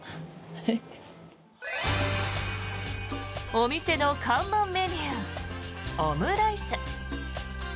お店の看板メニューオムライス。